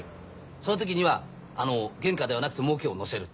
その時には原価ではなくてもうけを乗せる。